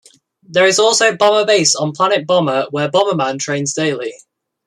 There is also Bomber Base on Planet Bomber, where Bomberman trains daily.